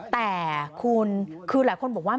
แต่คุณคือหลายคนบอกว่า